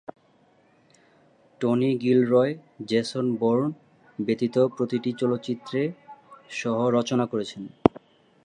Tony Gilroy Jason Bourne ব্যতীত প্রতিটি চলচ্চিত্রে সহ-রচনা করেছেন।